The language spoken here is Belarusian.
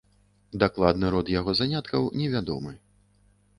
Дакладны род яго заняткаў невядомы.